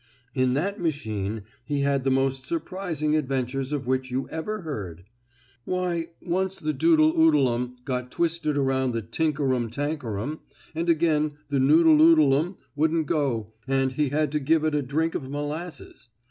In that machine he had the most surprising adventures of which you ever heard. Why, once the doodle oodle um got twisted around the tinker um tankerum, and again the noodle oodle um wouldn't go, and he had to give it a drink of molasses.